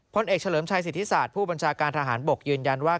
พลเอกเฉลิมชัยสิทธิศาสตร์ผู้บัญชาการทหารบกยืนยันว่า